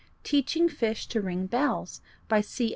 TEACHING FISH TO RING BELLS By C.